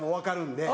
で